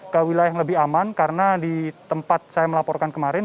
ke wilayah yang lebih aman karena di tempat saya melaporkan kemarin